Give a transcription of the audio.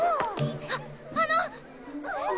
あっあの！